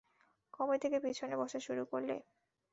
কবে থেকে পিছনে বসা শুরু করলে?